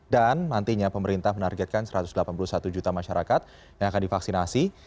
dan nantinya pemerintah menargetkan satu ratus delapan puluh satu juta masyarakat yang akan divaksinasi